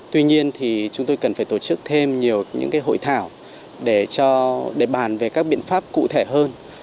tuy nhiên thì chúng tôi cần phải tổ chức thêm nhiều những hội thảo để bàn về các biện pháp cụ thể hơn